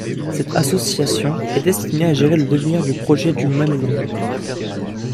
Cette association est destinée à gérer le devenir du projet du même nom.